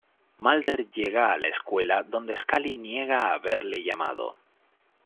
Mulder llega a la escuela, donde Scully niega haberle llamado.